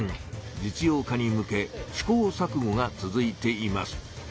実用化に向け試行さくごが続いています。